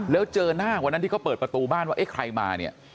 แล้วเจอหน้าวันนั้นที่เขาเปิดประตูบ้านว่าเอ๊ะใครมาเนี่ย